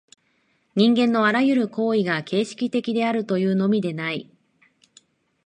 人間のあらゆる行為が形成的であるというのみでない。